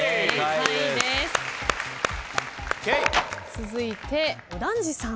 続いて右團次さん。